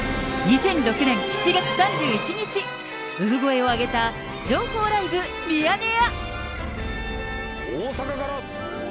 ２００６年７月３１日、産声を上げた情報ライブミヤネ屋。